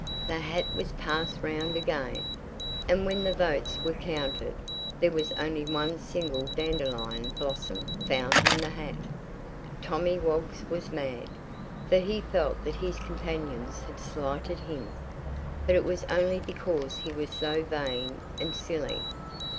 The hat was passed round again, and when the votes were counted, there was only one single dandelion blossom found in the hat. Tommy Woggs was mad, for he felt that his companions had slighted him; but it was only because he was so vain and silly.